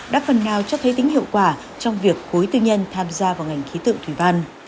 đã phần nào cho thấy tính hiệu quả trong việc khối tư nhân tham gia vào ngành khí tượng thủy văn